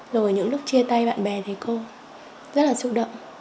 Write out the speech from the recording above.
rồi những lúc chia tay bạn bè thì cô rất là xúc động